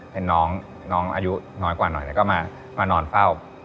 เป็นน้องน้องอายุน้อยกว่าหน่อยแล้วก็มานอนเฝ้า